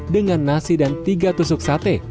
dengan nasi dan tiga tusuk sate